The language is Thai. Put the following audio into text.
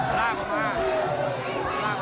ลากออกมาพยายาม